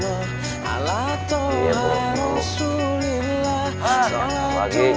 sholat allah lagi